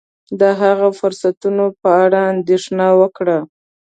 د هغه فرصتونو په اړه اندېښنه وکړه.